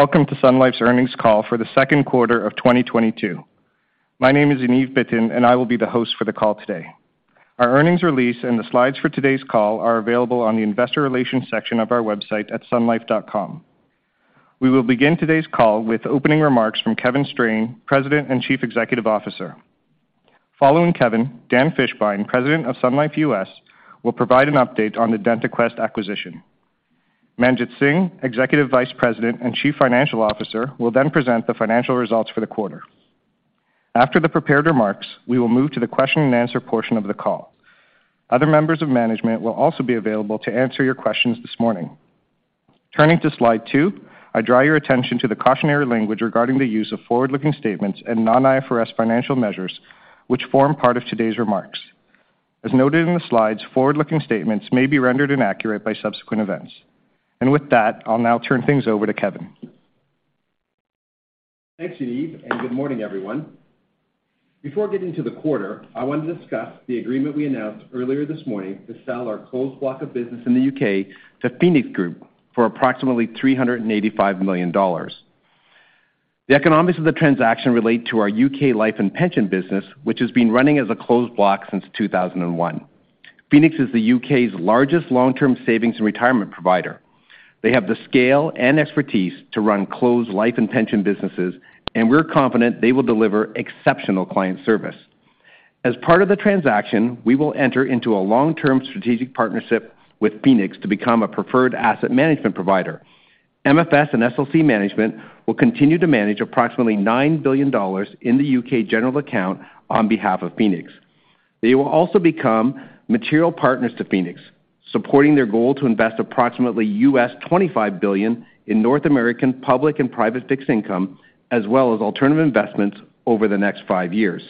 Welcome to Sun Life's earnings call for the second quarter of 2022. My name is Yaniv Bitton, and I will be the host for the call today. Our earnings release and the slides for today's call are available on the investor relations section of our website at sunlife.com. We will begin today's call with opening remarks from Kevin Strain, President and Chief Executive Officer. Following Kevin, Dan Fishbein, President of Sun Life U.S., will provide an update on the DentaQuest acquisition. Manjit Singh, Executive Vice President and Chief Financial Officer will then present the financial results for the quarter. After the prepared remarks, we will move to the question and answer portion of the call. Other members of management will also be available to answer your questions this morning. Turning to slide two, I draw your attention to the cautionary language regarding the use of forward-looking statements and non-IFRS financial measures which form part of today's remarks. As noted in the slides, forward-looking statements may be rendered inaccurate by subsequent events. With that, I'll now turn things over to Kevin. Thanks, Yaniv, and good morning, everyone. Before getting to the quarter, I want to discuss the agreement we announced earlier this morning to sell our closed block of business in the U.K. to Phoenix Group for approximately $385 million. The economics of the transaction relate to our U.K. life and pension business, which has been running as a closed block since 2001. Phoenix is the U.K.'s largest long-term savings and retirement provider. They have the scale and expertise to run closed life and pension businesses, and we're confident they will deliver exceptional client service. As part of the transaction, we will enter into a long-term strategic partnership with Phoenix to become a preferred asset management provider. MFS and SLC Management will continue to manage approximately $9 billion in the U.K. general account on behalf of Phoenix. They will also become material partners to Phoenix, supporting their goal to invest approximately $25 billion in North American public and private fixed income as well as alternative investments over the next five years.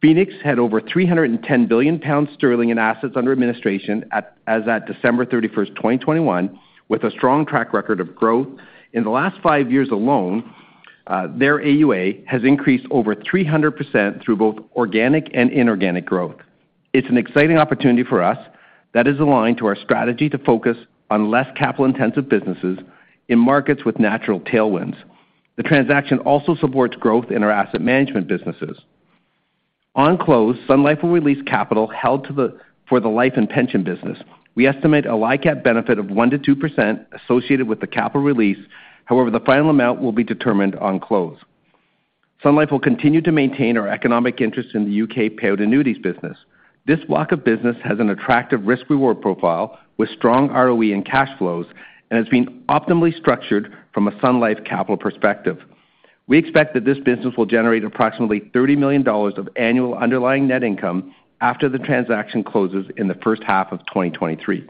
Phoenix had over 310 billion pounds in assets under administration as at December 31, 2021 with a strong track record of growth. In the last five years alone, their AUA has increased over 300% through both organic and inorganic growth. It's an exciting opportunity for us that is aligned to our strategy to focus on less capital-intensive businesses in markets with natural tailwinds. The transaction also supports growth in our asset management businesses. On close, Sun Life will release capital held for the life and pension business. We estimate a LICAT benefit of 1%-2% associated with the capital release. However, the final amount will be determined on close. Sun Life will continue to maintain our economic interest in the U.K. payout annuities business. This block of business has an attractive risk-reward profile with strong ROE and cash flows and has been optimally structured from a Sun Life capital perspective. We expect that this business will generate approximately 30 million dollars of annual underlying net income after the transaction closes in the first half of 2023.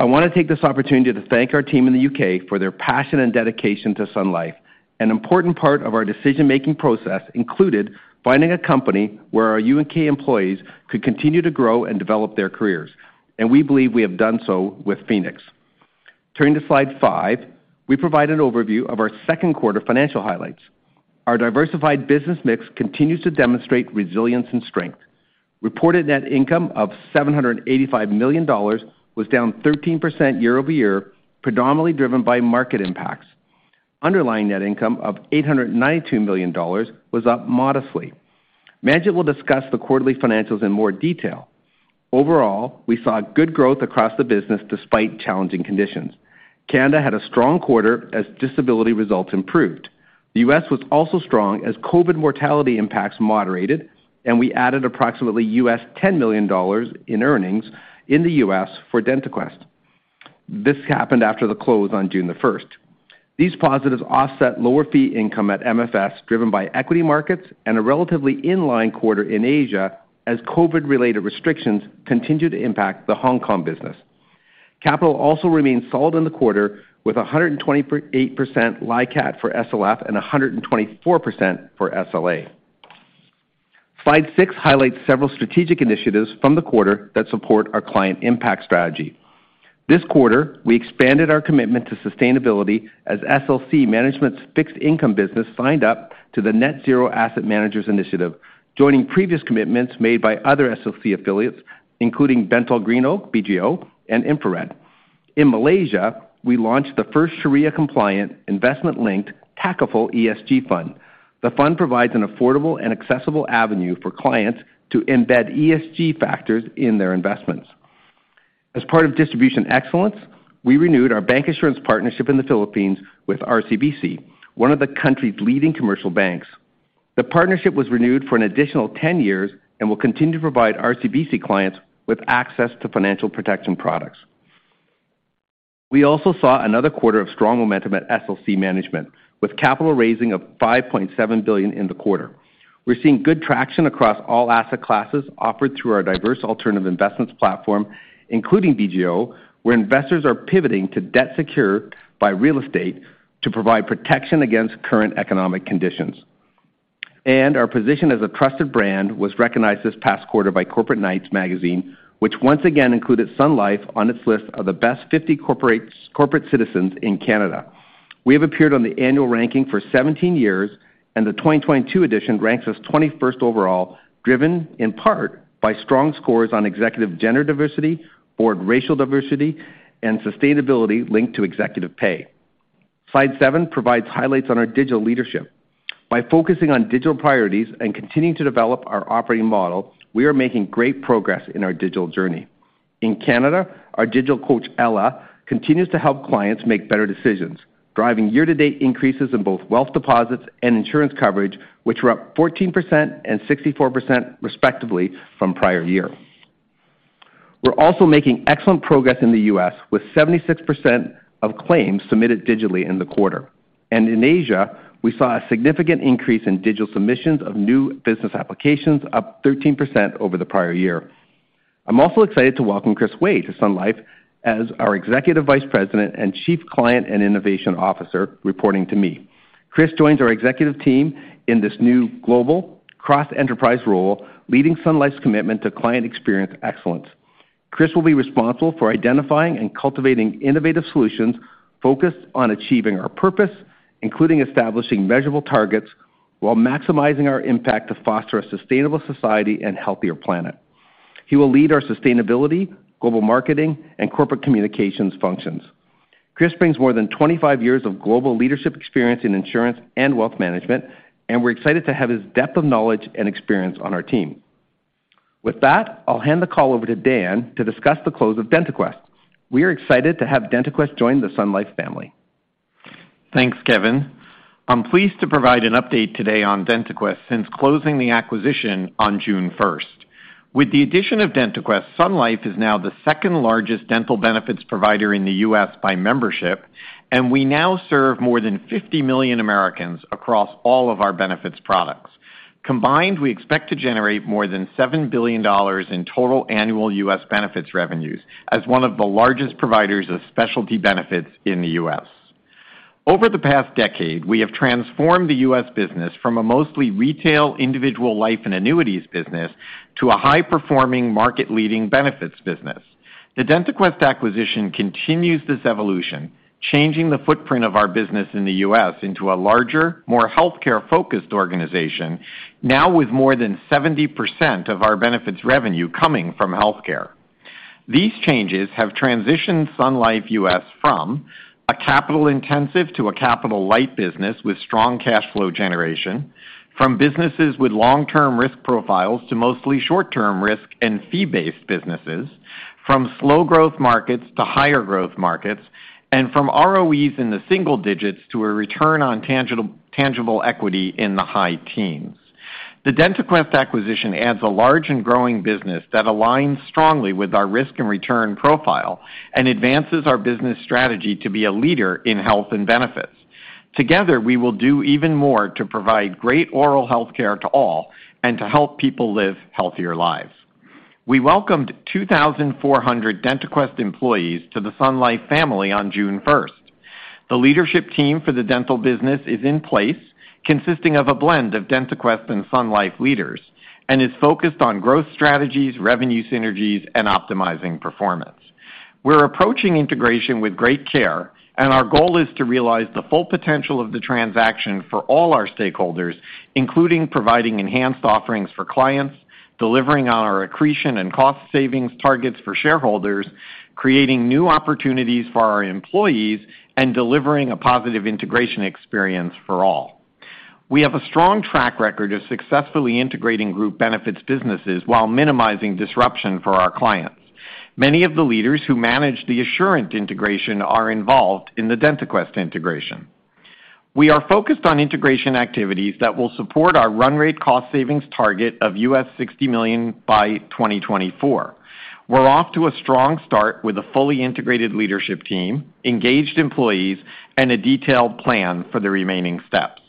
I want to take this opportunity to thank our team in the U.K. for their passion and dedication to Sun Life. An important part of our decision-making process included finding a company where our U.K. employees could continue to grow and develop their careers, and we believe we have done so with Phoenix. Turning to slide five, we provide an overview of our second quarter financial highlights. Our diversified business mix continues to demonstrate resilience and strength. Reported net income of 785 million dollars was down 13% year-over-year, predominantly driven by market impacts. Underlying net income of 892 million dollars was up modestly. Manjit will discuss the quarterly financials in more detail. Overall, we saw good growth across the business despite challenging conditions. Canada had a strong quarter as disability results improved. The U.S. was also strong as COVID mortality impacts moderated, and we added approximately $10 million in earnings in the U.S. for DentaQuest. This happened after the close on June 1. These positives offset lower fee income at MFS, driven by equity markets and a relatively in-line quarter in Asia as COVID-related restrictions continue to impact the Hong Kong business. Capital also remains solid in the quarter with 128% LICAT for SLF and 124% for SLA. Slide 6 highlights several strategic initiatives from the quarter that support our client impact strategy. This quarter, we expanded our commitment to sustainability as SLC Management's fixed income business signed up to the Net Zero Asset Managers initiative, joining previous commitments made by other SLC affiliates, including BentallGreenOak, BGO, and InfraRed. In Malaysia, we launched the first Sharia compliant investment-linked Takaful ESG fund. The fund provides an affordable and accessible avenue for clients to embed ESG factors in their investments. As part of distribution excellence, we renewed our bank insurance partnership in the Philippines with RCBC, one of the country's leading commercial banks. The partnership was renewed for an additional 10 years and will continue to provide RCBC clients with access to financial protection products. We also saw another quarter of strong momentum at SLC Management, with capital raising of 5.7 billion in the quarter. We're seeing good traction across all asset classes offered through our diverse alternative investments platform, including BGO, where investors are pivoting to debt secured by real estate to provide protection against current economic conditions. Our position as a trusted brand was recognized this past quarter by Corporate Knights magazine, which once again included Sun Life on its list of the best 50 corporate citizens in Canada. We have appeared on the annual ranking for 17 years. The 2022 edition ranks us 21st overall, driven in part by strong scores on executive gender diversity, board racial diversity, and sustainability linked to executive pay. Slide seven provides highlights on our digital leadership. By focusing on digital priorities and continuing to develop our operating model, we are making great progress in our digital journey. In Canada, our digital coach, Ella, continues to help clients make better decisions, driving year-to-date increases in both wealth deposits and insurance coverage, which were up 14% and 64% respectively from prior year. We're also making excellent progress in the U.S., with 76% of claims submitted digitally in the quarter. In Asia, we saw a significant increase in digital submissions of new business applications, up 13% over the prior year. I'm also excited to welcome Chris Wei to Sun Life as our Executive Vice President and Chief Client & Innovation Officer, reporting to me. Chris joins our executive team in this new global cross-enterprise role, leading Sun Life's commitment to client experience excellence. Chris will be responsible for identifying and cultivating innovative solutions focused on achieving our purpose, including establishing measurable targets while maximizing our impact to foster a sustainable society and healthier planet. He will lead our sustainability, global marketing, and corporate communications functions. Chris brings more than 25 years of global leadership experience in insurance and wealth management, and we're excited to have his depth of knowledge and experience on our team. With that, I'll hand the call over to Dan to discuss the close of DentaQuest. We are excited to have DentaQuest join the Sun Life family. Thanks, Kevin. I'm pleased to provide an update today on DentaQuest since closing the acquisition on June first. With the addition of DentaQuest, Sun Life is now the second-largest dental benefits provider in the U.S. by membership, and we now serve more than 50 million Americans across all of our benefits products. Combined, we expect to generate more than $7 billion in total annual U.S. benefits revenues as one of the largest providers of specialty benefits in the U.S. Over the past decade, we have transformed the U.S. business from a mostly retail individual life and annuities business to a high-performing market-leading benefits business. The DentaQuest acquisition continues this evolution, changing the footprint of our business in the U.S. into a larger, more healthcare-focused organization, now with more than 70% of our benefits revenue coming from healthcare. These changes have transitioned Sun Life U.S. from a capital-intensive to a capital-light business with strong cash flow generation, from businesses with long-term risk profiles to mostly short-term risk and fee-based businesses, from slow growth markets to higher growth markets, and from ROEs in the single digits to a return on tangible equity in the high teens. The DentaQuest acquisition adds a large and growing business that aligns strongly with our risk and return profile and advances our business strategy to be a leader in health and benefits. Together, we will do even more to provide great oral health care to all and to help people live healthier lives. We welcomed 2,400 DentaQuest employees to the Sun Life family on June first. The leadership team for the dental business is in place, consisting of a blend of DentaQuest and Sun Life leaders, and is focused on growth strategies, revenue synergies, and optimizing performance. We're approaching integration with great care, and our goal is to realize the full potential of the transaction for all our stakeholders, including providing enhanced offerings for clients, delivering on our accretion and cost savings targets for shareholders, creating new opportunities for our employees, and delivering a positive integration experience for all. We have a strong track record of successfully integrating group benefits businesses while minimizing disruption for our clients. Many of the leaders who manage the Assurant integration are involved in the DentaQuest integration. We are focused on integration activities that will support our run rate cost savings target of $60 million by 2024. We're off to a strong start with a fully integrated leadership team, engaged employees, and a detailed plan for the remaining steps.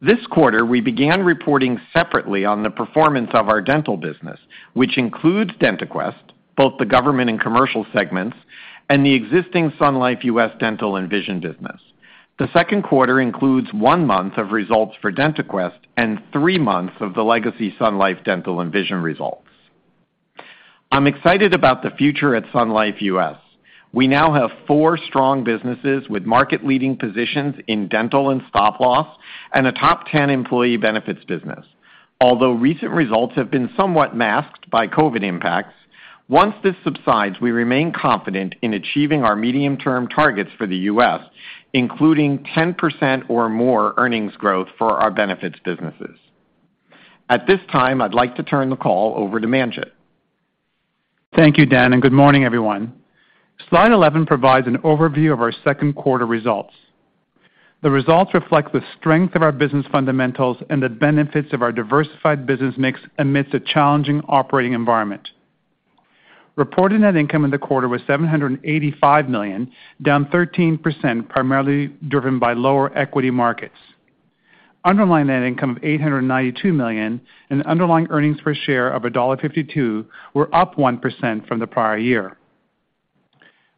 This quarter, we began reporting separately on the performance of our dental business, which includes DentaQuest, both the government and commercial segments, and the existing Sun Life U.S. dental and vision business. The second quarter includes one month of results for DentaQuest and three months of the legacy Sun Life dental and vision results. I'm excited about the future at Sun Life U.S. We now have four strong businesses with market-leading positions in dental and stop loss and a top ten employee benefits business. Although recent results have been somewhat masked by COVID impacts, once this subsides, we remain confident in achieving our medium-term targets for the U.S., including 10% or more earnings growth for our benefits businesses. At this time, I'd like to turn the call over to Manjit. Thank you, Dan, and good morning, everyone. Slide 11 provides an overview of our second quarter results. The results reflect the strength of our business fundamentals and the benefits of our diversified business mix amidst a challenging operating environment. Reported net income in the quarter was 785 million, down 13%, primarily driven by lower equity markets. Underlying net income of 892 million and underlying earnings per share of dollar 1.52 were up 1% from the prior year.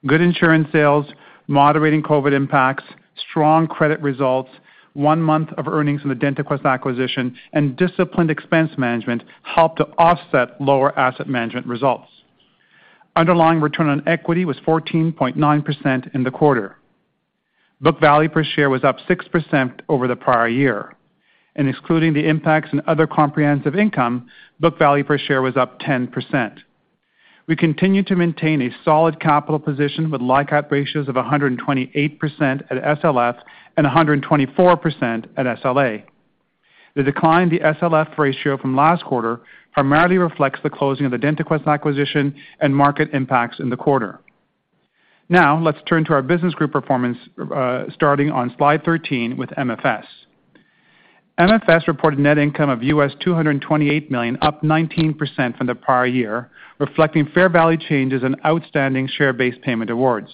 Good insurance sales, moderating COVID impacts, strong credit results, one month of earnings from the DentaQuest acquisition, and disciplined expense management helped to offset lower asset management results. Underlying return on equity was 14.9% in the quarter. Book value per share was up 6% over the prior year. Excluding the impacts in other comprehensive income, book value per share was up 10%. We continue to maintain a solid capital position with LICAT ratios of 128% at SLF and 124% at SLA. The decline in the SLF ratio from last quarter primarily reflects the closing of the DentaQuest acquisition and market impacts in the quarter. Now let's turn to our business group performance, starting on slide 13 with MFS. MFS reported net income of $228 million, up 19% from the prior year, reflecting fair value changes in outstanding share-based payment awards.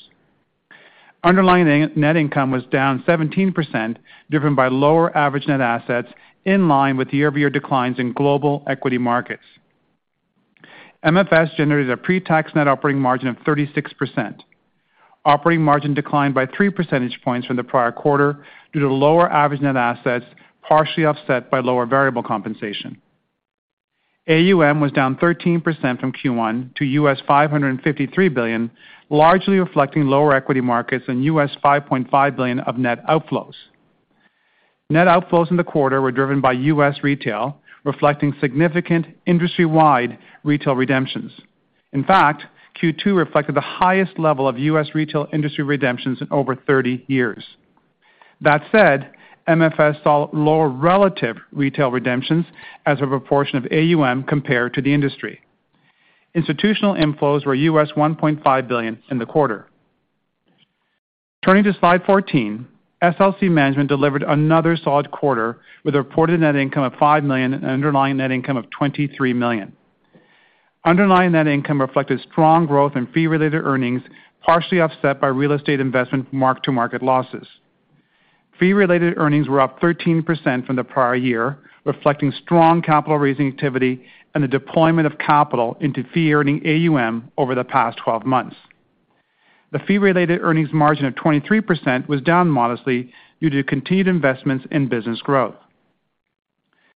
Underlying net income was down 17%, driven by lower average net assets, in line with year-over-year declines in global equity markets. MFS generated a pre-tax net operating margin of 36%. Operating margin declined by three percentage points from the prior quarter due to lower average net assets, partially offset by lower variable compensation. AUM was down 13% from Q1 to $553 billion, largely reflecting lower equity markets and $5.5 billion of net outflows. Net outflows in the quarter were driven by US retail, reflecting significant industry-wide retail redemptions. In fact, Q2 reflected the highest level of US retail industry redemptions in over 30 years. That said, MFS saw lower relative retail redemptions as a proportion of AUM compared to the industry. Institutional inflows were $1.5 billion in the quarter. Turning to slide 14, SLC Management delivered another solid quarter with a reported net income of 5 million and underlying net income of 23 million. Underlying net income reflected strong growth in fee related earnings, partially offset by real estate investment mark-to-market losses. Fee related earnings were up 13% from the prior year, reflecting strong capital raising activity and the deployment of capital into fee-earning AUM over the past 12 months. The fee related earnings margin of 23% was down modestly due to continued investments in business growth.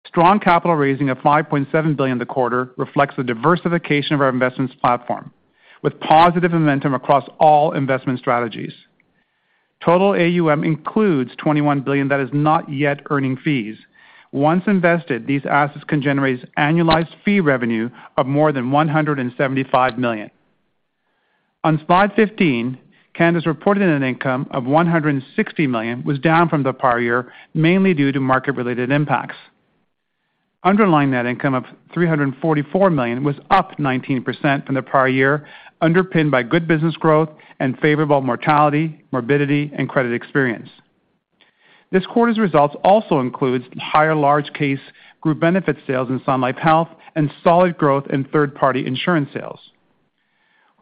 Strong capital raising of 5.7 billion in the quarter reflects the diversification of our investments platform, with positive momentum across all investment strategies. Total AUM includes 21 billion that is not yet earning fees. Once invested, these assets can generate annualized fee revenue of more than 175 million. On slide 15, Canada's reported net income of 100 million was down from the prior year, mainly due to market related impacts. Underlying net income of 344 million was up 19% from the prior year, underpinned by good business growth and favorable mortality, morbidity, and credit experience. This quarter's results also includes higher large case group benefit sales in Sun Life Health and solid growth in third-party insurance sales.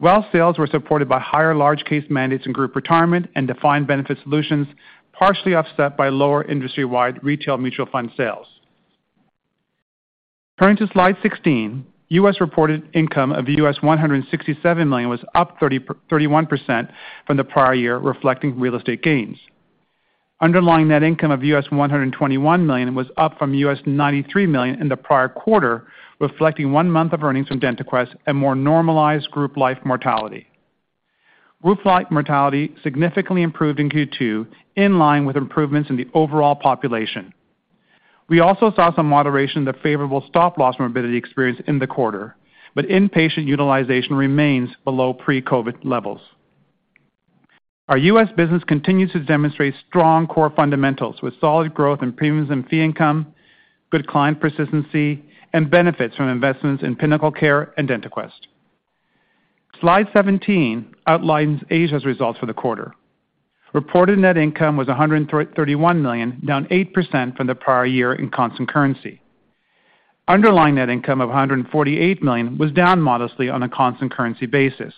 Wealth sales were supported by higher large case mandates in group retirement and defined benefit solutions, partially offset by lower industry-wide retail mutual fund sales. Turning to slide 16, U.S. reported income of $167 million was up 31% from the prior year, reflecting real estate gains. Underlying net income of $121 million was up from $93 million in the prior quarter, reflecting one month of earnings from DentaQuest and more normalized group life mortality. Group life mortality significantly improved in Q2, in line with improvements in the overall population. We also saw some moderation in the favorable stop loss morbidity experience in the quarter, but inpatient utilization remains below pre-COVID levels. Our US business continues to demonstrate strong core fundamentals with solid growth in premiums and fee income, good client persistency, and benefits from investments in PinnacleCare and DentaQuest. Slide 17 outlines Asia's results for the quarter. Reported net income was 131 million, down 8% from the prior year in constant currency. Underlying net income of 148 million was down modestly on a constant currency basis.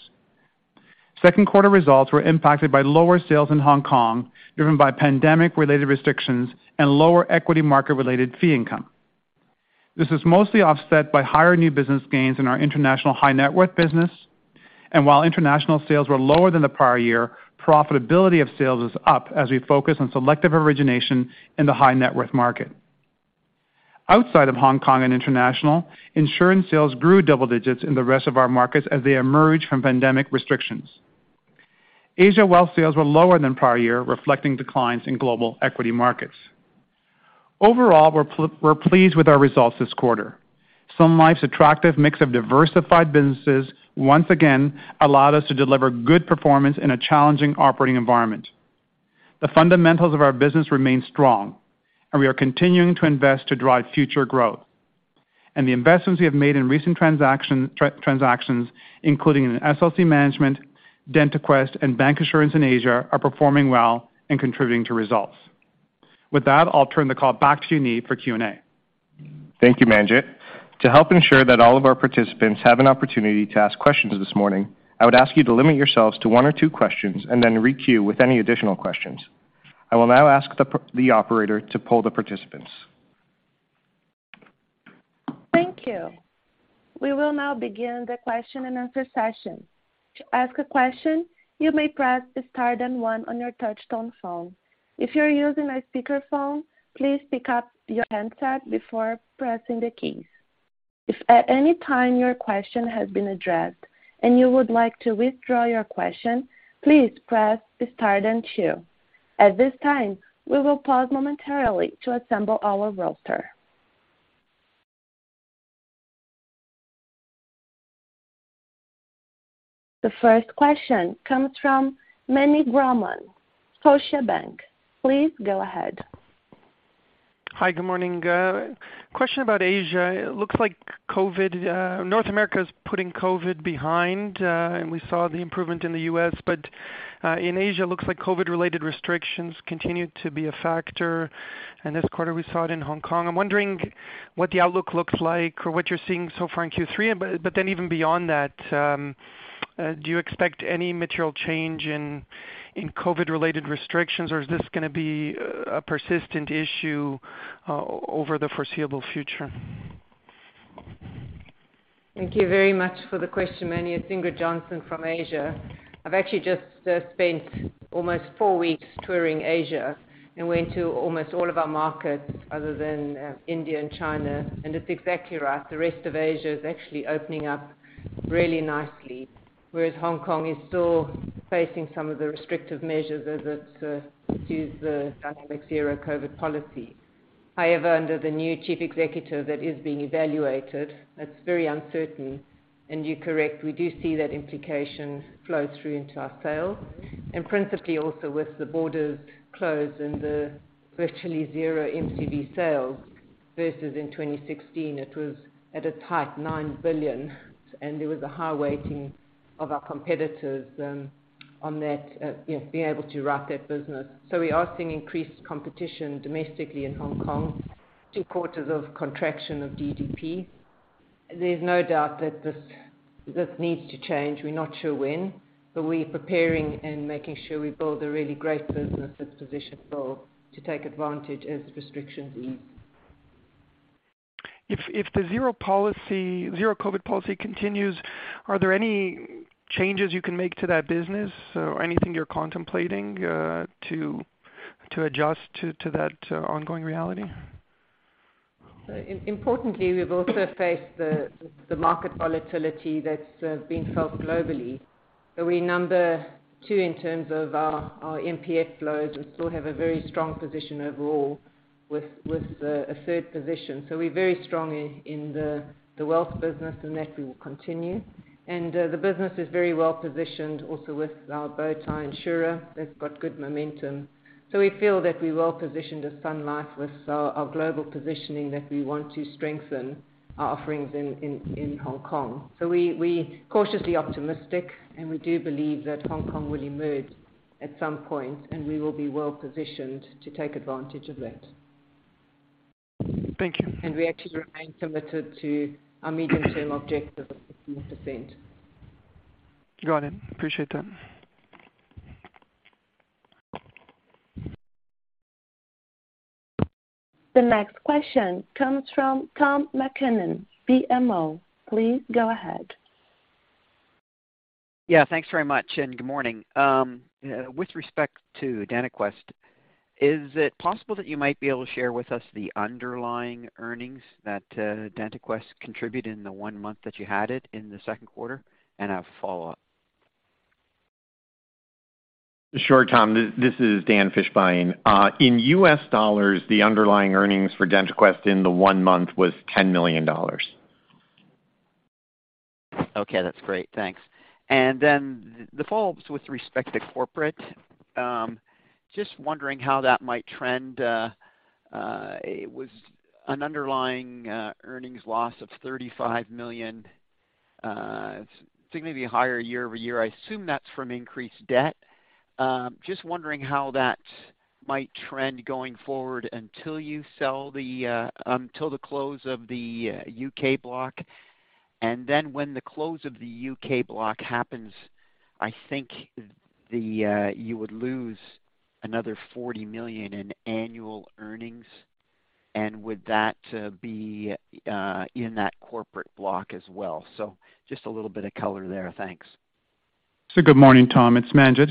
Second quarter results were impacted by lower sales in Hong Kong, driven by pandemic related restrictions and lower equity market related fee income. This is mostly offset by higher new business gains in our international high net worth business. While international sales were lower than the prior year, profitability of sales is up as we focus on selective origination in the high net worth market. Outside of Hong Kong and international, insurance sales grew double digits in the rest of our markets as they emerge from pandemic restrictions. Asia wealth sales were lower than prior year, reflecting declines in global equity markets. Overall, we're pleased with our results this quarter. Sun Life's attractive mix of diversified businesses once again allowed us to deliver good performance in a challenging operating environment. The fundamentals of our business remain strong, and we are continuing to invest to drive future growth. The investments we have made in recent transactions, including in SLC Management, DentaQuest, and bancassurance in Asia, are performing well and contributing to results. With that, I'll turn the call back to Yaniv for Q&A. Thank you, Manjit. To help ensure that all of our participants have an opportunity to ask questions this morning, I would ask you to limit yourselves to one or two questions and then re-queue with any additional questions. I will now ask the operator to poll the participants. Thank you. We will now begin the question and answer session. To ask a question, you may press star then one on your touchtone phone. If you're using a speakerphone, please pick up your handset before pressing the keys. If at any time your question has been addressed and you would like to withdraw your question, please press star then two. At this time, we will pause momentarily to assemble our roster. The first question comes from Meny Grauman, Scotiabank. Please go ahead. Hi, good morning. Question about Asia. It looks like COVID, North America is putting COVID behind, and we saw the improvement in the U.S. In Asia, looks like COVID related restrictions continue to be a factor. This quarter we saw it in Hong Kong. I'm wondering what the outlook looks like or what you're seeing so far in Q3, but then even beyond that, do you expect any material change in COVID related restrictions, or is this gonna be a persistent issue over the foreseeable future? Thank you very much for the question, Meny. It's Ingrid Johnson from Asia. I've actually just spent almost 4 weeks touring Asia and went to almost all of our markets other than India and China. It's exactly right. The rest of Asia is actually opening up really nicely, whereas Hong Kong is still facing some of the restrictive measures as it pursues the dynamic zero-COVID policy. However, under the new chief executive that is being evaluated, that's very uncertain, and you're correct, we do see the implications flow through into our sales. Principally also with the borders closed and the virtually zero MCV sales versus in 2016, it was at a high 9 billion, and there was a high weighting of our competitors on that being able to write that business. We are seeing increased competition domestically in Hong Kong, two quarters of contraction of GDP. There's no doubt that this needs to change. We're not sure when, but we're preparing and making sure we build a really great business that's positioned well to take advantage as restrictions ease. If the zero-COVID policy continues, are there any changes you can make to that business or anything you're contemplating to adjust to that ongoing reality? Importantly, we've also faced the market volatility that's being felt globally. We're number two in terms of our MPF flows. We still have a very strong position overall with a third position. We're very strong in the wealth business, and that will continue. The business is very well positioned also with our Bowtie insurer. They've got good momentum. We feel that we're well positioned as Sun Life with our global positioning that we want to strengthen our offerings in Hong Kong. We're cautiously optimistic, and we do believe that Hong Kong will emerge at some point, and we will be well positioned to take advantage of that. Thank you. We actually remain committed to our medium-term objective of 15%. Got it. Appreciate that. The next question comes from Tom MacKinnon, BMO. Please go ahead. Yeah, thanks very much, and good morning. With respect to DentaQuest, is it possible that you might be able to share with us the underlying earnings that DentaQuest contributed in the one month that you had it in the second quarter? A follow-up. Sure, Tom. This is Dan Fishbein. In US dollars, the underlying earnings for DentaQuest in the one month was $10 million. Okay, that's great. Thanks. Then the follow-up is with respect to corporate, just wondering how that might trend. It was an underlying earnings loss of 35 million, significantly higher year-over-year. I assume that's from increased debt. Just wondering how that might trend going forward until you sell till the close of the UK block. Then when the close of the UK block happens, I think you would lose another 40 million in annual earnings. Would that be in that corporate block as well? Just a little bit of color there. Thanks. Good morning, Tom. It's Manjit.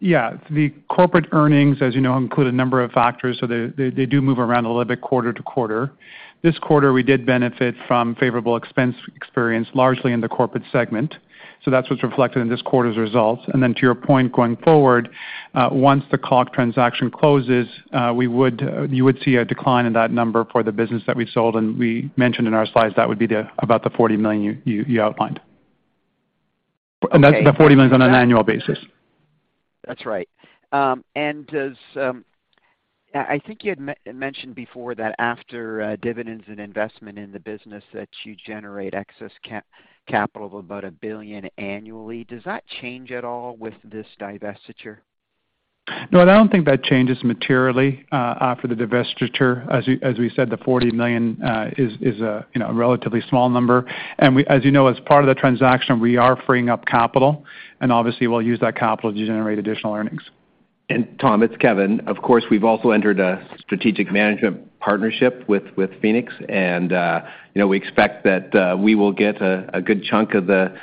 Yeah, the corporate earnings, as you know, include a number of factors, so they do move around a little bit quarter to quarter. This quarter, we did benefit from favorable expense experience, largely in the corporate segment. That's what's reflected in this quarter's results. Then to your point going forward, once the clock transaction closes, you would see a decline in that number for the business that we sold. We mentioned in our slides that would be about the 40 million you outlined. Okay. That's the 40 million is on an annual basis. That's right. I think you had mentioned before that after dividends and investment in the business, that you generate excess capital of about 1 billion annually. Does that change at all with this divestiture? No, I don't think that changes materially for the divestiture. As we said, 40 million is, you know, a relatively small number. We, as you know, as part of the transaction, we are freeing up capital and obviously we'll use that capital to generate additional earnings. Tom, it's Kevin. Of course, we've also entered a strategic management partnership with Phoenix. We expect that we will get a good chunk of the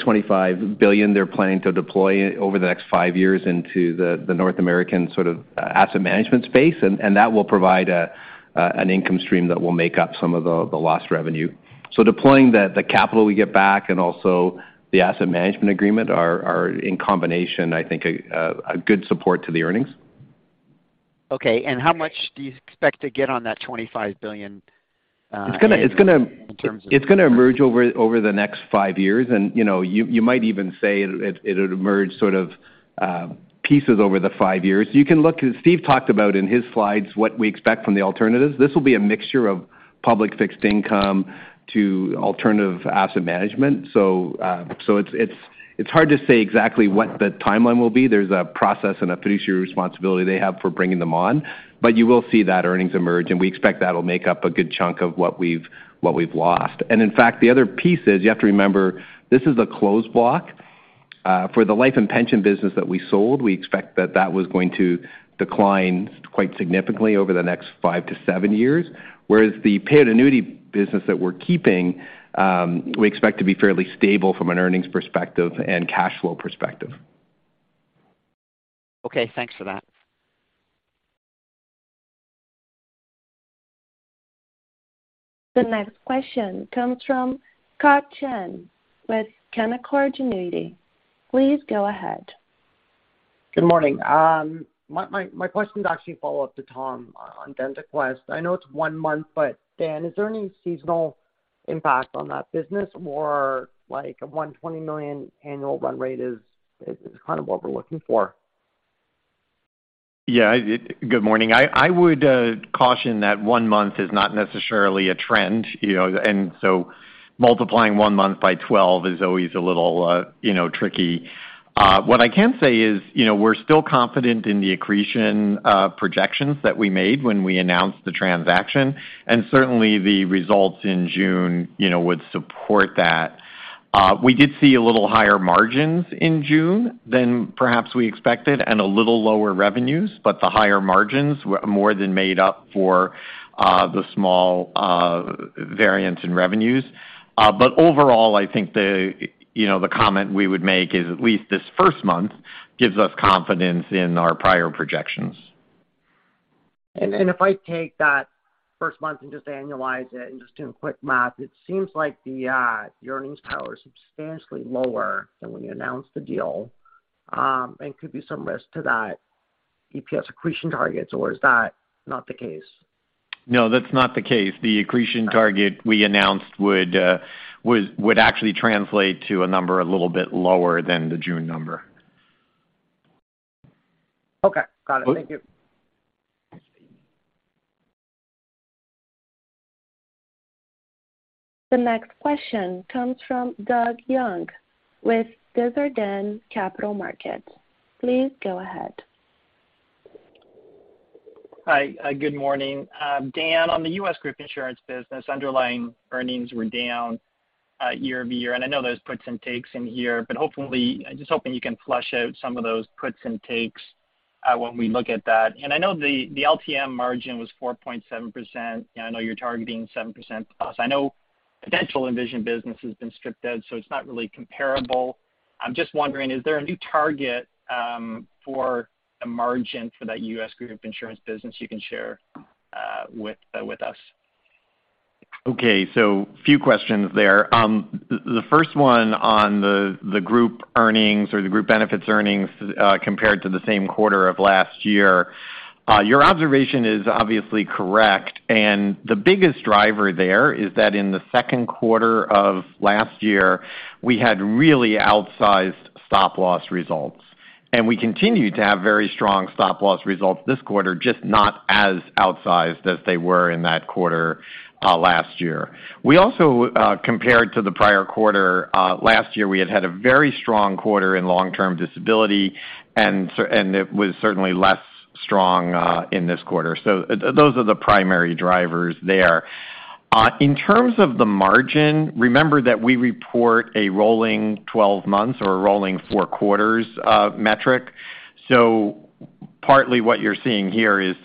25 billion they're planning to deploy over the next five years into the North American sort of asset management space. That will provide an income stream that will make up some of the lost revenue. Deploying the capital we get back and also the asset management agreement are in combination, I think, a good support to the earnings. Okay. How much do you expect to get on that 25 billion? It's gonna. -in terms of- It's gonna emerge over the next five years. You might even say it'd emerge sort of pieces over the five years. You can look, as Steve talked about in his slides, what we expect from the alternatives. This will be a mixture of public fixed income to alternative asset management. It's hard to say exactly what the timeline will be. There's a process and a fiduciary responsibility they have for bringing them on. You will see that earnings emerge, and we expect that'll make up a good chunk of what we've lost. In fact, the other piece is, you have to remember, this is a closed block. For the life and pension business that we sold, we expect that was going to decline quite significantly over the next five to seven years. Whereas the paid annuity business that we're keeping, we expect to be fairly stable from an earnings perspective and cash flow perspective. Okay, thanks for that. The next question comes from Gabriel Dechaine with Canaccord Genuity. Please go ahead. Good morning. My question is actually a follow-up to Tom on DentaQuest. I know it's one month, but Dan, is there any seasonal impact on that business or like a 120 million annual run rate is kind of what we're looking for? Good morning. I would caution that one month is not necessarily a trend, you know. Multiplying one month by twelve is always a little, you know, tricky. What I can say is, you know, we're still confident in the accretion projections that we made when we announced the transaction, and certainly the results in June, you know, would support that. We did see a little higher margins in June than perhaps we expected and a little lower revenues, but the higher margins more than made up for the small variance in revenues. But overall, I think the, you know, the comment we would make is, at least this first month gives us confidence in our prior projections. If I take that first month and just annualize it and just doing quick math, it seems like the earnings power is substantially lower than when you announced the deal, and could be some risk to that EPS accretion targets, or is that not the case? No, that's not the case. The accretion target we announced would actually translate to a number a little bit lower than the June number. Okay. Got it. Thank you. The next question comes from Doug Young with Desjardins Capital Markets. Please go ahead. Hi. Good morning. Dan, on the U.S. group insurance business, underlying earnings were down year-over-year, and I know there's puts and takes in here. Hopefully, I'm just hoping you can flesh out some of those puts and takes when we look at that. I know the LTM margin was 4.7%, and I know you're targeting 7%+. I know potential envision business has been stripped out, so it's not really comparable. I'm just wondering, is there a new target for the margin for that U.S. group insurance business you can share with us? A few questions there. The first one on the group earnings or the group benefits earnings, compared to the same quarter of last year. Your observation is obviously correct. The biggest driver there is that in the second quarter of last year, we had really outsized stop-loss results. We continue to have very strong stop-loss results this quarter, just not as outsized as they were in that quarter last year. We also, compared to the prior quarter last year, we had had a very strong quarter in long-term disability, and it was certainly less strong in this quarter. Those are the primary drivers there. In terms of the margin, remember that we report a rolling twelve months or a rolling four quarters metric. Partly what you're seeing here is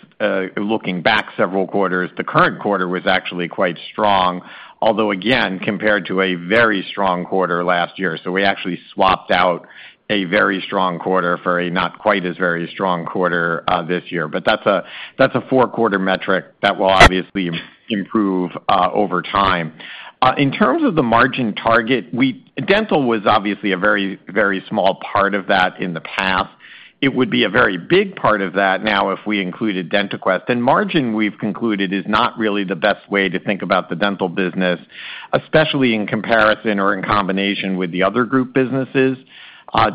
looking back several quarters. The current quarter was actually quite strong, although again, compared to a very strong quarter last year. We actually swapped out a very strong quarter for a not quite as very strong quarter this year. That's a four-quarter metric that will obviously improve over time. In terms of the margin target, Dental was obviously a very, very small part of that in the past. It would be a very big part of that now if we included DentaQuest. Margin, we've concluded, is not really the best way to think about the dental business, especially in comparison or in combination with the other group businesses.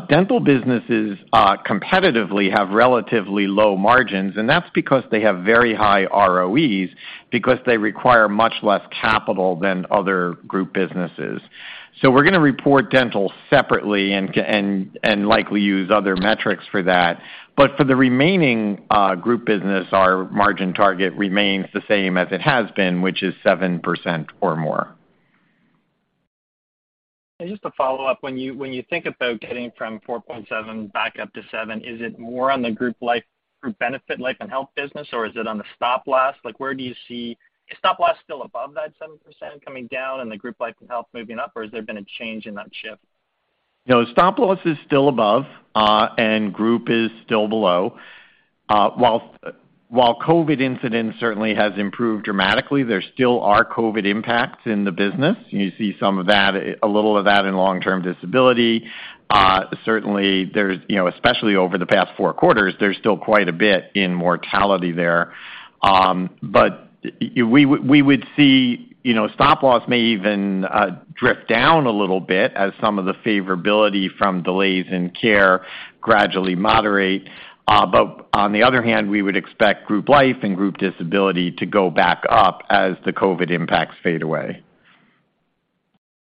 Dental businesses competitively have relatively low margins, and that's because they have very high ROEs because they require much less capital than other group businesses. We're gonna report dental separately and likely use other metrics for that. For the remaining group business, our margin target remains the same as it has been, which is 7% or more. Just to follow up, when you think about getting from 4.7 back up to 7, is it more on the group life for benefit life and health business, or is it on the stop-loss? Like, where do you see? Is stop-loss still above that 7% coming down and the group life and health moving up, or has there been a change in that shift? No, stop-loss is still above, and group is still below. While COVID incidents certainly has improved dramatically, there still are COVID impacts in the business. You see some of that, a little of that in long-term disability. Certainly there's, you know, especially over the past four quarters, there's still quite a bit in mortality there. We would see, you know, stop-loss may even drift down a little bit as some of the favorability from delays in care gradually moderate. On the other hand, we would expect group life and group disability to go back up as the COVID impacts fade away.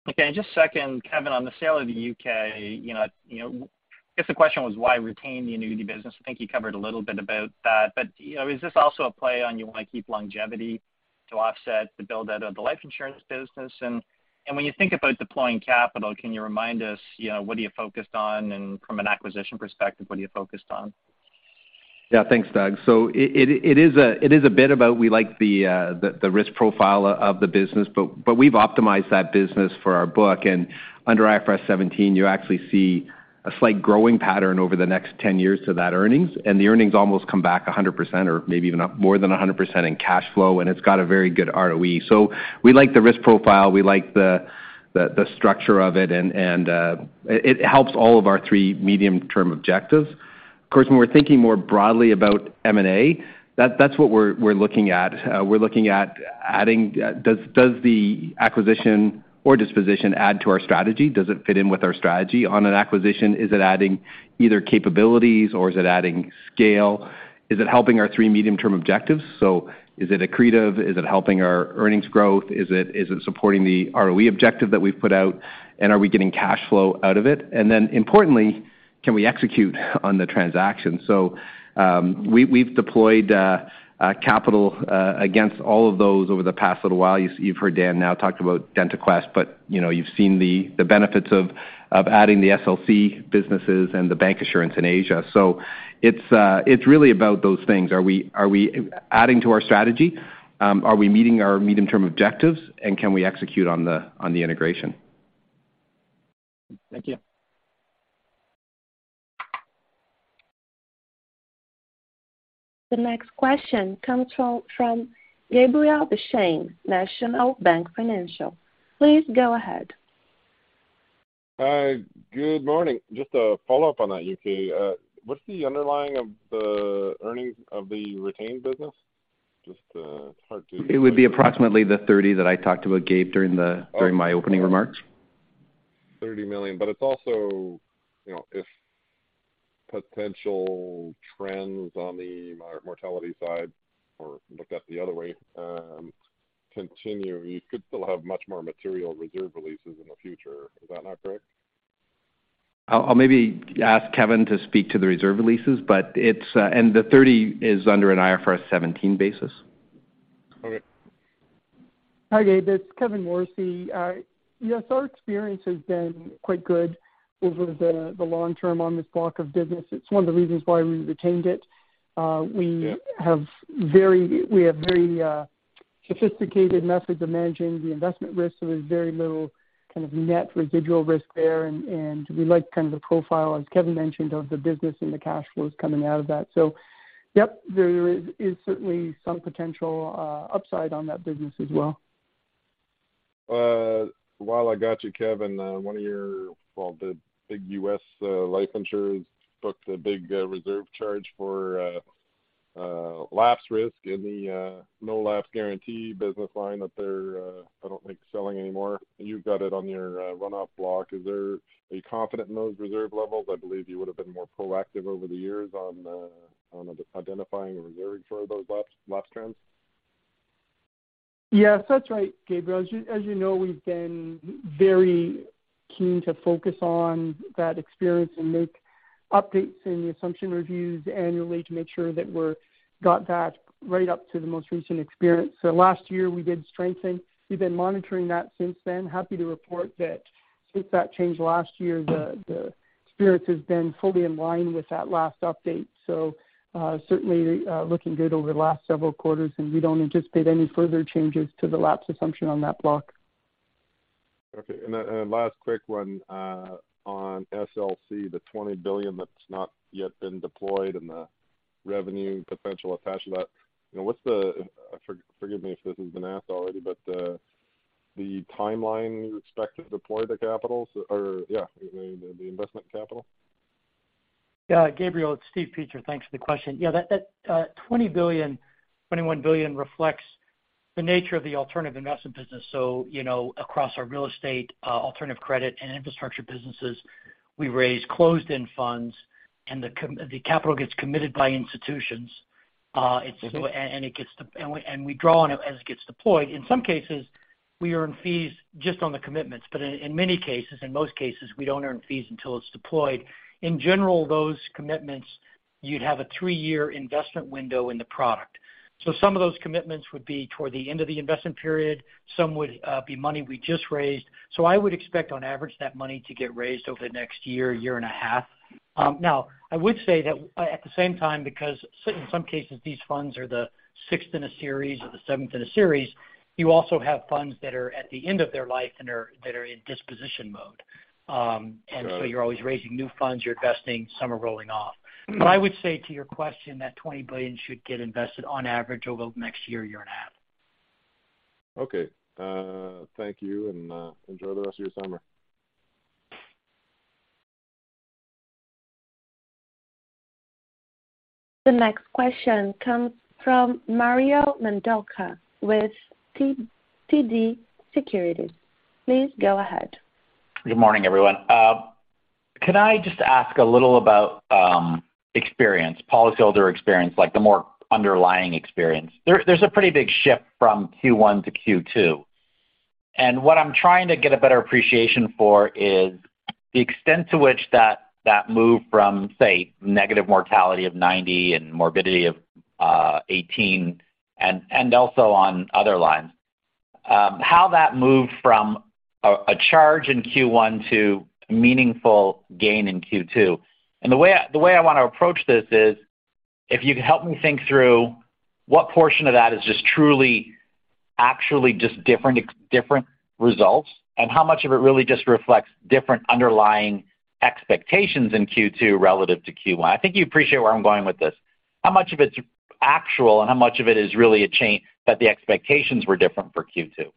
Okay. Just second, Kevin, on the sale of the UK, you know, I guess the question was why retain the annuity business. I think you covered a little bit about that, but, you know, is this also a play on you want to keep longevity to offset the build out of the life insurance business? When you think about deploying capital, can you remind us, you know, what are you focused on and from an acquisition perspective, what are you focused on? Yeah. Thanks, Doug. So it is a bit about we like the risk profile of the business, but we've optimized that business for our book. Under IFRS 17, you actually see a slight growing pattern over the next 10 years to that earnings. The earnings almost come back 100% or maybe even more than 100% in cash flow, and it's got a very good ROE. We like the risk profile, we like the structure of it, and it helps all of our three medium-term objectives. Of course, when we're thinking more broadly about M&A, that's what we're looking at. We're looking at adding. Does the acquisition or disposition add to our strategy? Does it fit in with our strategy on an acquisition? Is it adding either capabilities or is it adding scale? Is it helping our three medium-term objectives? Is it accretive? Is it helping our earnings growth? Is it supporting the ROE objective that we've put out, and are we getting cash flow out of it? Then importantly, can we execute on the transaction? We've deployed capital against all of those over the past little while. You've heard Dan now talk about DentaQuest, but, you know, you've seen the benefits of adding the SLC businesses and the bancassurance in Asia. It's really about those things. Are we adding to our strategy? Are we meeting our medium-term objectives, and can we execute on the integration? Thank you. The next question comes from Gabriel Dechaine, National Bank Financial. Please go ahead. Hi. Good morning. Just a follow-up on that U.K. What's the underlying of the earnings of the retained business? Just, it's hard to- It would be approximately the 30 that I talked about, Gabe, during my opening remarks. 30 million. It's also, you know, if potential trends on the mortality side or looked at the other way, continue, you could still have much more material reserve releases in the future. Is that not correct? I'll maybe ask Kevin to speak to the reserve releases, but it's. The 30 is under an IFRS 17 basis. Okay. Hi, Gabe. It's Kevin Morrissey. Yes, our experience has been quite good over the long term on this block of business. It's one of the reasons why we retained it. We have very sophisticated methods of managing the investment risk, so there's very little kind of net residual risk there. We like kind of the profile, as Kevin mentioned, of the business and the cash flows coming out of that. Yep, there is certainly some potential upside on that business as well. While I got you, Kevin, one of the big U.S. life insurers booked a big reserve charge for lapse risk in the no-lapse guarantee business line that they're, I don't think, selling anymore. You've got it on your run-off block. Is there confidence in those reserve levels? I believe you would have been more proactive over the years on identifying and reserving for those lapse trends. Yes, that's right, Gabriel. As you know, we've been very keen to focus on that experience and make updates in the assumption reviews annually to make sure that we've got that right up to the most recent experience. Last year, we did strengthen. We've been monitoring that since then. Happy to report that since that change last year, the experience has been fully in line with that last update. Certainly, looking good over the last several quarters, and we don't anticipate any further changes to the lapse assumption on that block. Okay. Last quick one on SLC, the 20 billion that's not yet been deployed and the revenue potential attached to that. You know, what's the timeline you expect to deploy the capitals or, yeah, the investment capital. Forgive me if this has been asked already, but. Yeah, Gabriel, it's Steve Peacher. Thanks for the question. Yeah, that 20 billion-21 billion reflects the nature of the alternative investment business. You know, across our real estate, alternative credit and infrastructure businesses, we raise closed-end funds and the capital gets committed by institutions. It's Mm-hmm. We draw on it as it gets deployed. In some cases We earn fees just on the commitments, but in many cases, in most cases, we don't earn fees until it's deployed. In general, those commitments you'd have a three-year investment window in the product. Some of those commitments would be toward the end of the investment period, some would be money we just raised. I would expect on average that money to get raised over the next year and a half. Now I would say that at the same time, because in some cases, these funds are the sixth in a series or the seventh in a series, you also have funds that are at the end of their life and that are in disposition mode. You're always raising new funds, you're investing, some are rolling off. I would say to your question that 20 billion should get invested on average over the next year and a half. Okay. Thank you and enjoy the rest of your summer. The next question comes from Mario Mendonca with TD Securities. Please go ahead. Good morning, everyone. Can I just ask a little about experience, policyholder experience, like the more underlying experience? There's a pretty big shift from Q1 to Q2, and what I'm trying to get a better appreciation for is the extent to which that move from, say, negative mortality of 90 and morbidity of 18 and also on other lines, how that moved from a charge in Q1 to meaningful gain in Q2. The way I want to approach this is if you could help me think through what portion of that is just truly actually just different results, and how much of it really just reflects different underlying expectations in Q2 relative to Q1. I think you appreciate where I'm going with this. How much of it's actual, and how much of it is really a change that the expectations were different for Q2?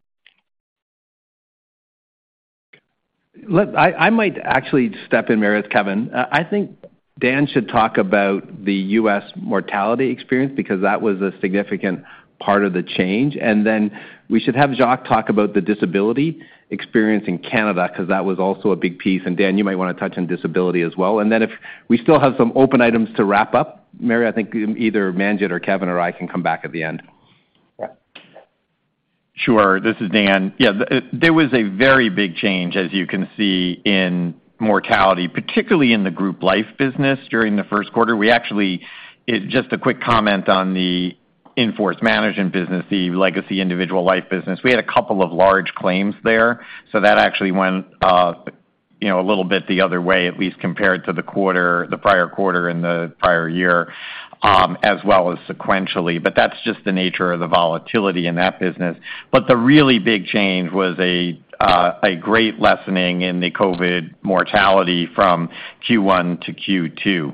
Look, I might actually step in, Mario, with Kevin. I think Dan should talk about the U.S. mortality experience because that was a significant part of the change. Then we should have Jacques talk about the disability experience in Canada because that was also a big piece. Dan, you might want to touch on disability as well. Then if we still have some open items to wrap up, Mario, I think either Manjit or Kevin or I can come back at the end. Yeah. Sure. This is Dan. Yeah. There was a very big change, as you can see, in mortality, particularly in the group life business during the first quarter. We actually just a quick comment on the in-force management business, the legacy individual life business. We had a couple of large claims there, so that actually went, you know, a little bit the other way, at least compared to the quarter, the prior quarter and the prior year, as well as sequentially. That's just the nature of the volatility in that business. The really big change was a great lessening in the COVID mortality from Q1 to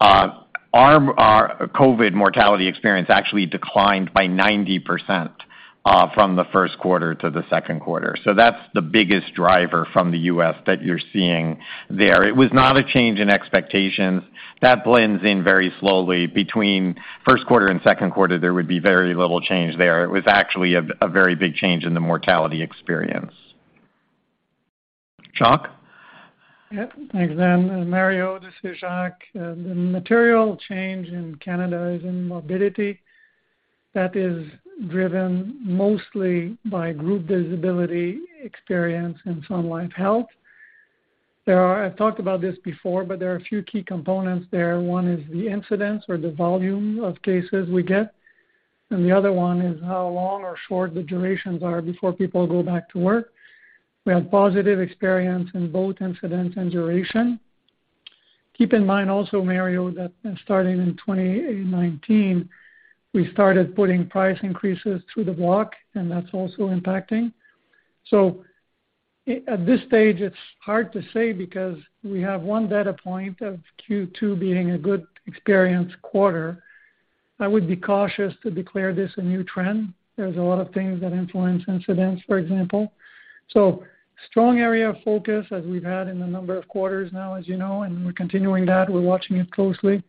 Q2. Our COVID mortality experience actually declined by 90%, from the first quarter to the second quarter. That's the biggest driver from the U.S. that you're seeing there. It was not a change in expectations. That blends in very slowly between first quarter and second quarter, there would be very little change there. It was actually a very big change in the mortality experience. Jacques? Yeah. Thanks, Dan. Mario, this is Jacques. The material change in Canada is in morbidity that is driven mostly by group disability experience in Sun Life Health. There are. I've talked about this before, but there are a few key components there. One is the incidence or the volume of cases we get, and the other one is how long or short the durations are before people go back to work. We have positive experience in both incidence and duration. Keep in mind also, Mario, that starting in 2018, 2019, we started putting price increases through the block, and that's also impacting. So at this stage, it's hard to say because we have one data point of Q2 being a good experience quarter. I would be cautious to declare this a new trend. There's a lot of things that influence incidence, for example. strong area of focus as we've had in a number of quarters now, as you know, and we're continuing that. We're watching it closely.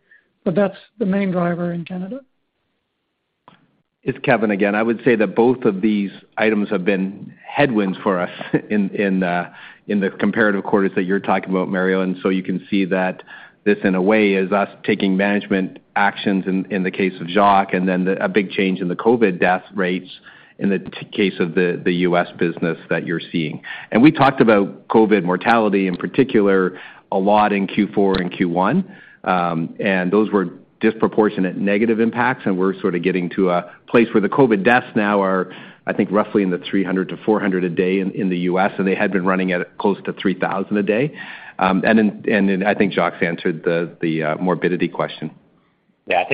That's the main driver in Canada. It's Kevin again. I would say that both of these items have been headwinds for us in the comparative quarters that you're talking about, Mario. You can see that this, in a way, is us taking management actions in the case of Jacques, and then a big change in the COVID death rates in the case of the US business that you're seeing. We talked about COVID mortality in particular a lot in Q4 and Q1, and those were disproportionate negative impacts, and we're sort of getting to a place where the COVID deaths now are, I think, roughly in the 300-400 a day in the US, and they had been running at close to 3,000 a day. I think Jacques answered the morbidity question. Yeah, I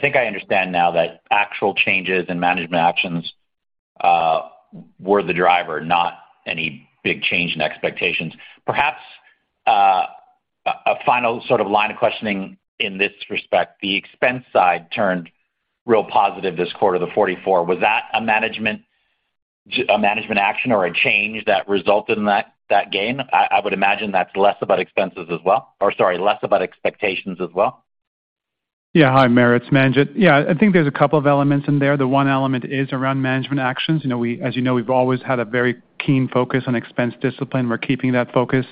think I understand now that actual changes in management actions were the driver, not any big change in expectations. Perhaps a final sort of line of questioning in this respect, the expense side turned real positive this quarter, 44. Was that a management action or a change that resulted in that gain? I would imagine that's less about expenses as well. Sorry, less about expectations as well. Yeah. Hi, Mario. It's Manjit. Yeah. I think there's a couple of elements in there. The one element is around management actions. You know, as you know, we've always had a very keen focus on expense discipline. We're keeping that focus.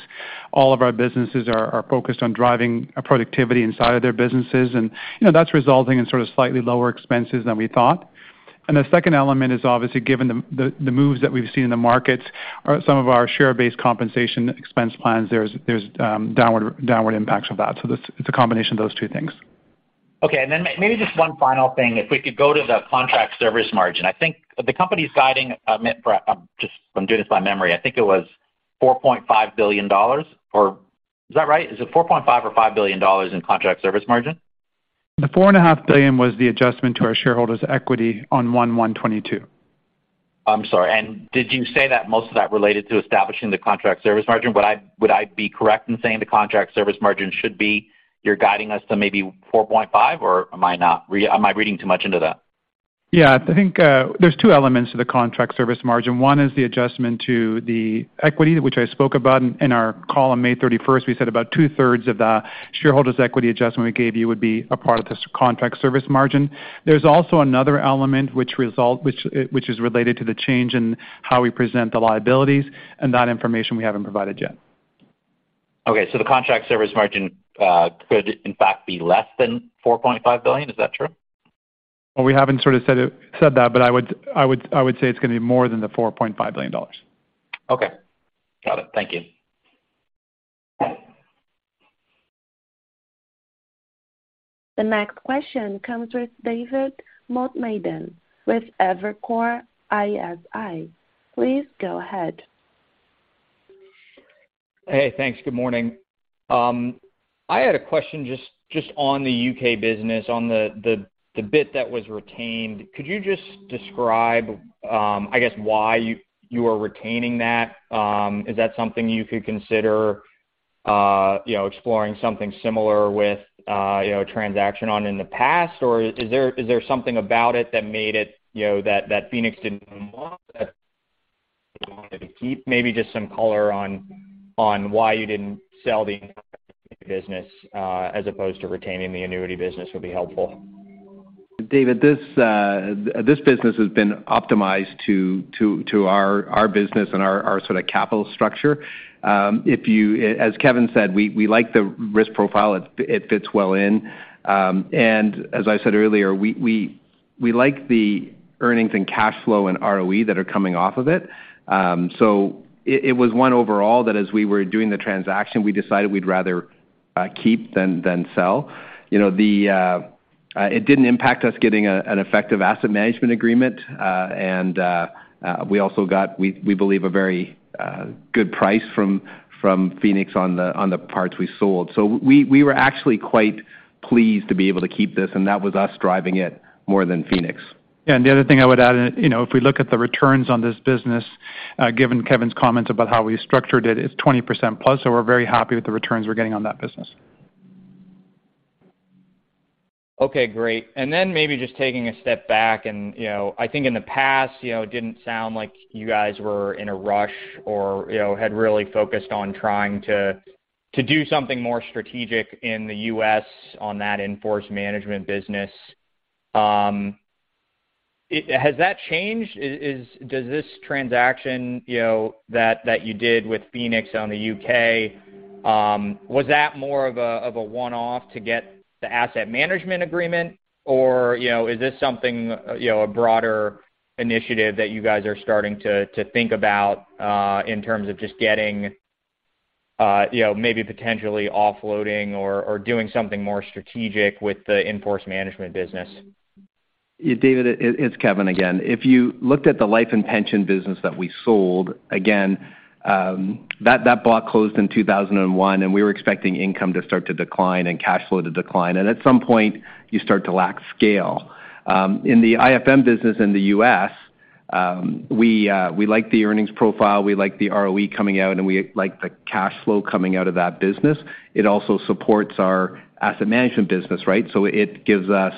All of our businesses are focused on driving productivity inside of their businesses. You know, that's resulting in sort of slightly lower expenses than we thought. The second element is obviously given the moves that we've seen in the markets on some of our share-based compensation expense plans. There's downward impacts of that. It's a combination of those two things. Okay. Maybe just one final thing. If we could go to the Contractual Service Margin. I think the company's guidance. I'm doing this by memory. I think it was 4.5 billion dollars or is that right? Is it 4.5 billion or 5 billion dollars in Contractual Service Margin? The 4.5 billion was the adjustment to our shareholders' equity on January 1, 2022. I'm sorry. Did you say that most of that related to establishing the Contractual Service Margin? Would I be correct in saying the Contractual Service Margin should be you're guiding us to maybe 4.5, or am I reading too much into that? Yeah. I think there's two elements to the Contractual Service Margin. One is the adjustment to the equity, which I spoke about in our call on May thirty-first. We said about two-thirds of the shareholders' equity adjustment we gave you would be a part of this Contractual Service Margin. There's also another element which is related to the change in how we present the liabilities, and that information we haven't provided yet. The Contractual Service Margin could in fact be less than 4.5 billion. Is that true? Well, we haven't sort of said that, but I would say it's going to be more than 4.5 billion dollars. Okay. Got it. Thank you. The next question comes with David Motemaden with Evercore ISI. Please go ahead. Hey, thanks. Good morning. I had a question just on the UK business, on the bit that was retained. Could you just describe, I guess, why you are retaining that? Is that something you could consider, you know, exploring something similar with, you know, transactions in the past? Or is there something about it that made it, you know, that Phoenix didn't want to keep? Maybe just some color on why you didn't sell the business, as opposed to retaining the annuity business would be helpful. David, this business has been optimized to our business and our sort of capital structure. As Kevin said, we like the risk profile. It fits well in. And as I said earlier, we like the earnings and cash flow and ROE that are coming off of it. So it was one overall that as we were doing the transaction, we decided we'd rather keep than sell. You know, it didn't impact us getting an effective asset management agreement. And we also got, we believe a very good price from Phoenix on the parts we sold. So we were actually quite pleased to be able to keep this, and that was us driving it more than Phoenix. The other thing I would add in, you know, if we look at the returns on this business, given Kevin's comments about how we structured it's 20%+. We're very happy with the returns we're getting on that business. Okay, great. Maybe just taking a step back and, you know, I think in the past, you know, it didn't sound like you guys were in a rush or, you know, had really focused on trying to do something more strategic in the U.S. on that in-force management business. Has that changed? Does this transaction, you know, that you did with Phoenix on the U.K., was that more of a one-off to get the asset management agreement? Or, you know, is this something, you know, a broader initiative that you guys are starting to think about in terms of just getting, you know, maybe potentially offloading or doing something more strategic with the in-force management business? David, it's Kevin again. If you looked at the life and pension business that we sold, that block closed in 2001, and we were expecting income to start to decline and cash flow to decline. At some point, you start to lack scale. In the IFM business in the US, we like the earnings profile, we like the ROE coming out, and we like the cash flow coming out of that business. It also supports our asset management business, right? It gives us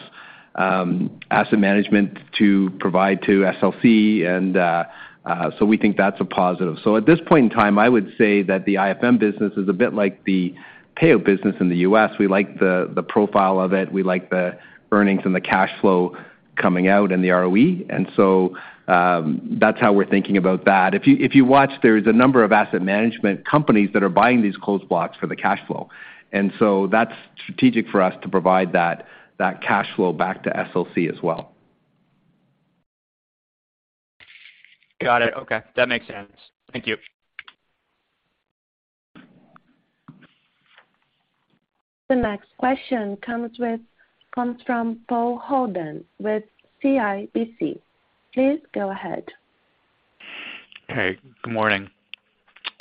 asset management to provide to SLC. We think that's a positive. At this point in time, I would say that the IFM business is a bit like the payout business in the US. We like the profile of it. We like the earnings and the cash flow coming out and the ROE. That's how we're thinking about that. If you watch, there is a number of asset management companies that are buying these closed blocks for the cash flow. That's strategic for us to provide that cash flow back to SLC as well. Got it. Okay. That makes sense. Thank you. The next question comes from Paul Holden with CIBC. Please go ahead. Hey, good morning.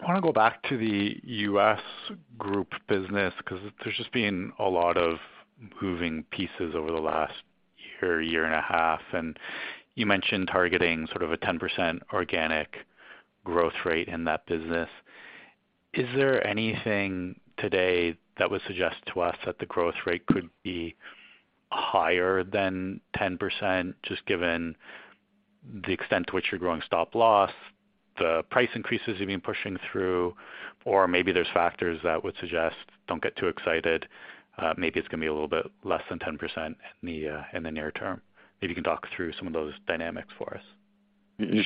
I want to go back to the U.S. group business because there's just been a lot of moving pieces over the last year and a half, and you mentioned targeting sort of a 10% organic growth rate in that business. Is there anything today that would suggest to us that the growth rate could be higher than 10%, just given the extent to which you're growing stop loss, the price increases you've been pushing through, or maybe there's factors that would suggest don't get too excited, maybe it's going to be a little bit less than 10% in the near term. Maybe you can talk through some of those dynamics for us.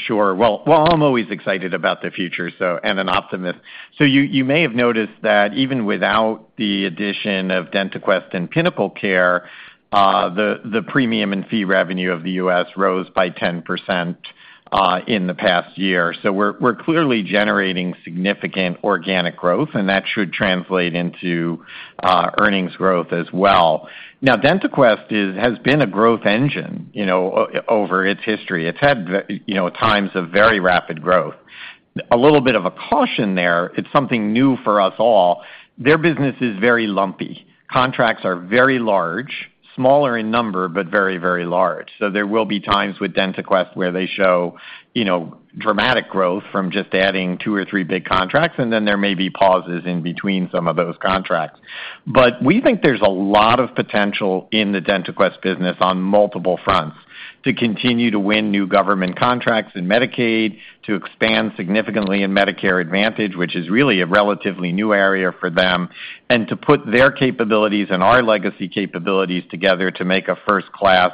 Sure. Well, I'm always excited about the future and an optimist. You may have noticed that even without the addition of DentaQuest and PinnacleCare, the premium and fee revenue of the U.S. rose by 10% in the past year. We're clearly generating significant organic growth, and that should translate into earnings growth as well. Now, DentaQuest has been a growth engine over its history. It's had times of very rapid growth. A little bit of a caution there, it's something new for us all, their business is very lumpy. Contracts are very large, smaller in number, but very large. There will be times with DentaQuest where they show, you know, dramatic growth from just adding two or three big contracts, and then there may be pauses in between some of those contracts. We think there's a lot of potential in the DentaQuest business on multiple fronts to continue to win new government contracts in Medicaid, to expand significantly in Medicare Advantage, which is really a relatively new area for them, and to put their capabilities and our legacy capabilities together to make a first-class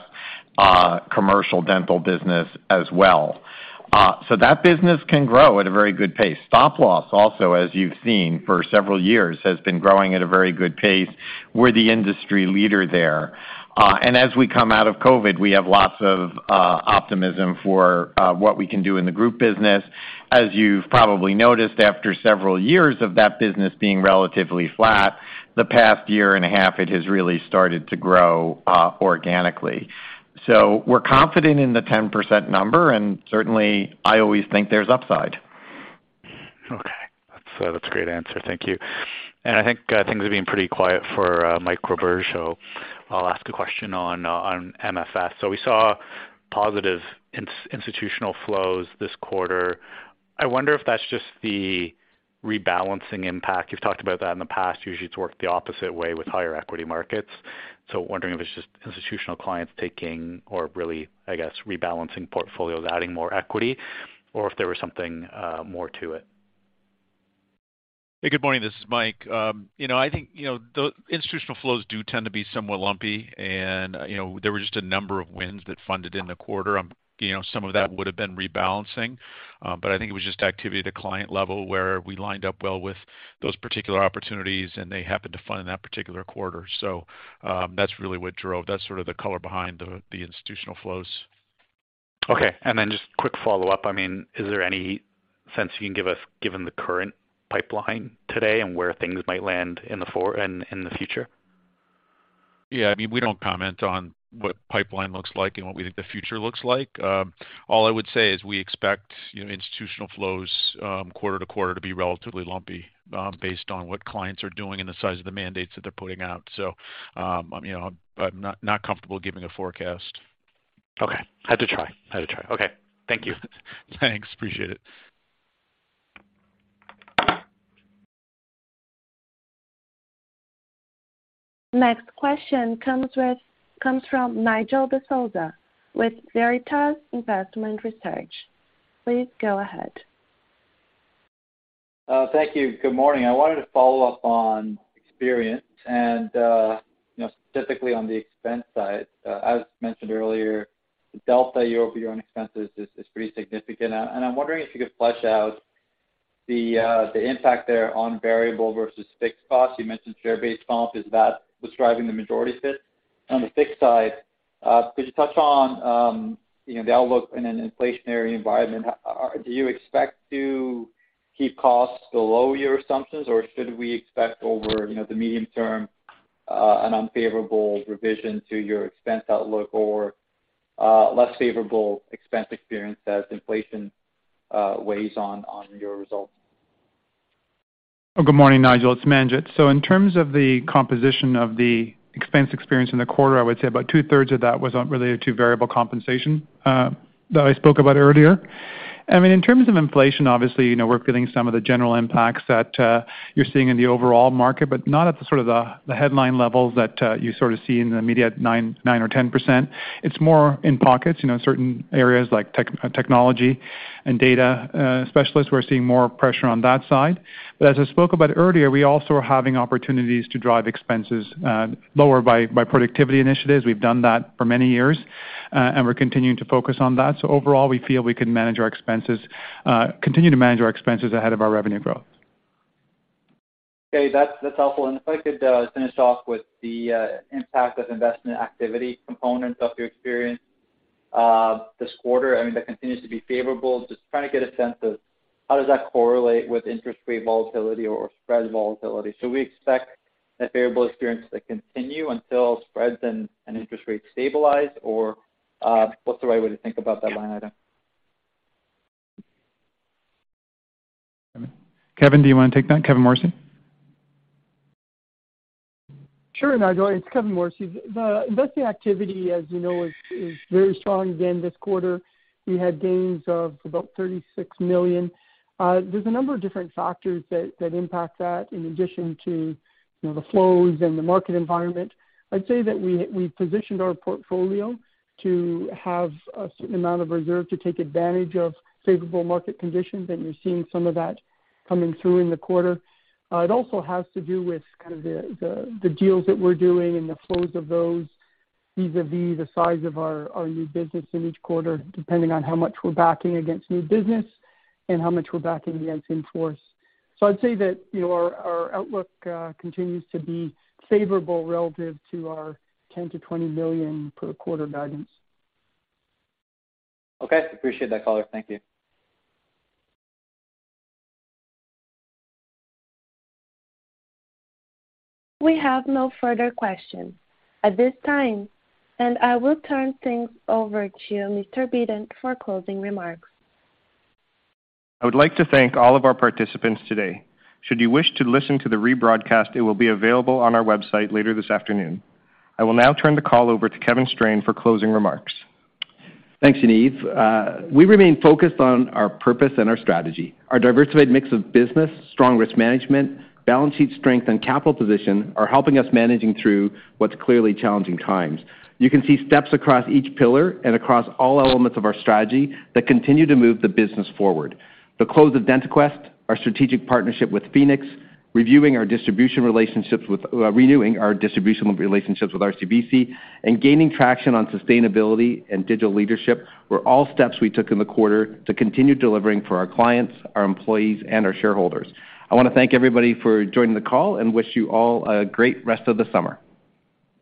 commercial dental business as well. That business can grow at a very good pace. Stop loss also, as you've seen for several years, has been growing at a very good pace. We're the industry leader there. As we come out of COVID, we have lots of optimism for what we can do in the group business. As you've probably noticed, after several years of that business being relatively flat, the past year and a half, it has really started to grow organically. We're confident in the 10% number, and certainly, I always think there's upside. Okay. That's a great answer. Thank you. I think things have been pretty quiet for Mike Roberge, so I'll ask a question on MFS. We saw positive institutional flows this quarter. I wonder if that's just the rebalancing impact. You've talked about that in the past. Usually, it's worked the opposite way with higher equity markets. Wondering if it's just institutional clients taking or really, I guess, rebalancing portfolios, adding more equity, or if there was something more to it. Hey, good morning. This is Mike. You know, I think, you know, the institutional flows do tend to be somewhat lumpy, and you know, there were just a number of wins that funded in the quarter. You know, some of that would've been rebalancing, but I think it was just activity at a client level where we lined up well with those particular opportunities and they happened to fund in that particular quarter. That's sort of the color behind the institutional flows. Okay. Just quick follow-up. I mean, is there any sense you can give us given the current pipeline today and where things might land in the future? Yeah, I mean, we don't comment on what pipeline looks like and what we think the future looks like. All I would say is we expect, you know, institutional flows, quarter to quarter to be relatively lumpy, based on what clients are doing and the size of the mandates that they're putting out. You know, I'm not comfortable giving a forecast. Okay. Had to try. Okay. Thank you. Thanks. Appreciate it. Next question comes from Nigel D'Souza with Veritas Investment Research. Please go ahead. Thank you. Good morning. I wanted to follow up on experience and, you know, specifically on the expense side. As mentioned earlier, the delta year-over-year on expenses is pretty significant. I'm wondering if you could flesh out the impact there on variable versus fixed costs. You mentioned share-based bonuses. Is that what's driving the majority of it? On the fixed side, could you touch on, you know, the outlook in an inflationary environment? Do you expect to keep costs below your assumptions, or should we expect over, you know, the medium term, an unfavorable revision to your expense outlook or less favorable expense experience as inflation weighs on your results? Good morning, Nigel. It's Manjit. In terms of the composition of the expense experience in the quarter, I would say about two-thirds of that was related to variable compensation that I spoke about earlier. I mean, in terms of inflation, obviously, you know, we're feeling some of the general impacts that you're seeing in the overall market, but not at the sort of the headline levels that you sort of see in the media at nine or 10%. It's more in pockets, you know, certain areas like technology and data specialists, we're seeing more pressure on that side. But as I spoke about earlier, we also are having opportunities to drive expenses lower by productivity initiatives. We've done that for many years, and we're continuing to focus on that. Overall, we feel we can manage our expenses, continue to manage our expenses ahead of our revenue growth. Okay. That's helpful. If I could finish off with the impact of investment activity components of your experience this quarter, I mean, that continues to be favorable. Just trying to get a sense of how does that correlate with interest rate volatility or spread volatility. Should we expect that variable experience to continue until spreads and interest rates stabilize? Or, what's the right way to think about that line item? Kevin, do you wanna take that? Kevin Morrissey? Sure, Nigel. It's Kevin Morrissey. The investment activity, as you know, is very strong again this quarter. We had gains of about 36 million. There's a number of different factors that impact that in addition to, you know, the flows and the market environment. I'd say that we've positioned our portfolio to have a certain amount of reserve to take advantage of favorable market conditions, and you're seeing some of that coming through in the quarter. It also has to do with kind of the deals that we're doing and the flows of those, vis-à-vis the size of our new business in each quarter, depending on how much we're backing against new business and how much we're backing against in-force. I'd say that, you know, our outlook continues to be favorable relative to our 10 million-20 million per quarter guidance. Okay. Appreciate that color. Thank you. We have no further questions at this time, and I will turn things over to you, Mr. Bitton, for closing remarks. I would like to thank all of our participants today. Should you wish to listen to the rebroadcast, it will be available on our website later this afternoon. I will now turn the call over to Kevin Strain for closing remarks. Thanks, Yaniv. We remain focused on our purpose and our strategy. Our diversified mix of business, strong risk management, balance sheet strength, and capital position are helping us managing through what's clearly challenging times. You can see steps across each pillar and across all elements of our strategy that continue to move the business forward. The close of DentaQuest, our strategic partnership with Phoenix, renewing our distribution relationships with RCBC, and gaining traction on sustainability and digital leadership were all steps we took in the quarter to continue delivering for our clients, our employees, and our shareholders. I wanna thank everybody for joining the call and wish you all a great rest of the summer.